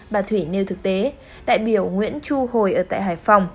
bà thủy nêu thực tế đại biểu nguyễn chu hồi ở tại hải phòng